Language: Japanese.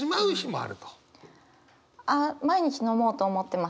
あ毎日飲もうと思ってます。